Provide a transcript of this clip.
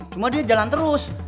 cuma dia jalan terus